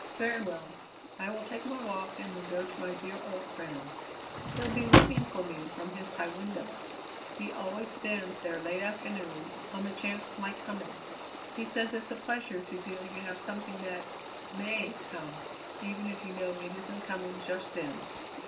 "Very well. I will take my walk and then go to my dear old friend. He'll be looking for me from his high window. He always stands there late afternoons, on the chance of my coming. He says it's a pleasure to feel you have something that may come, even if you know it isn't coming just then."